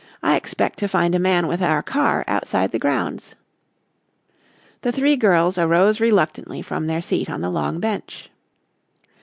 "I expect to find a man with our car outside the grounds." The three girls arose reluctantly from their seat on the long bench.